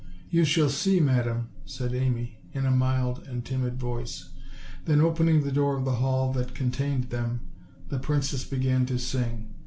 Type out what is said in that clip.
"You shall see, madam," said Amy, in a mild and timid voice; then opening the door of the hall that con tained them, the princess began to sing.